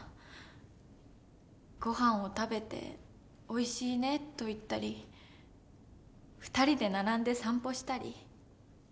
ごはんを食べて「おいしいね」と言ったり２人で並んで散歩したり。